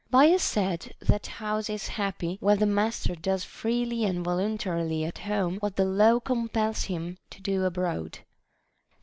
Bias said, That house is happy where the master does freely and voluntarily at home what the law compels him to do abroad.